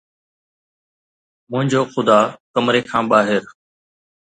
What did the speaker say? منهنجو خدا ڪمري کان ٻاهر